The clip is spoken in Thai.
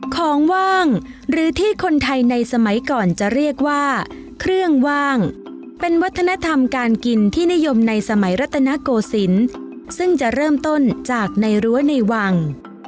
ของว่างหรือที่คนไทยในสมัยก่อนจะเรียกว่าเครื่องว่างเป็นวัฒนธรรมการกินที่นิยมในสมัยรัตนโกศิลป์ซึ่งจะเริ่มต้นจากในรั้วในวัง